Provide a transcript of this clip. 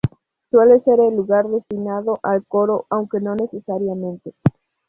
Suele ser el lugar destinado al coro, aunque no necesariamente.